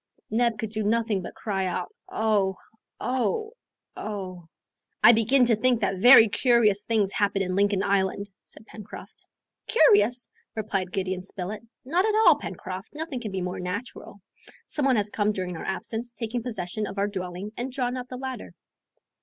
Neb could do nothing but cry out "Oh! oh! oh!" "I begin to think that very curious things happen in Lincoln Island!" said Pencroft. "Curious?" replied Gideon Spilett, "not at all, Pencroft, nothing can be more natural. Some one has come during our absence, taken possession of our dwelling and drawn up the ladder."